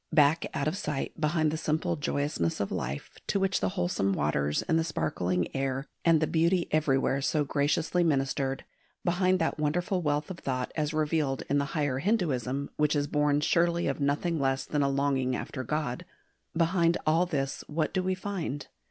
Back out of sight behind the simple joyousness of life, to which the wholesome waters and the sparkling air and the beauty everywhere so graciously ministered, behind that wonderful wealth of thought as revealed in the Higher Hinduism which is born surely of nothing less than a longing after God behind all this what do we find?